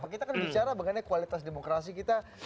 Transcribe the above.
kita kan bicara mengenai kualitas demokrasi kita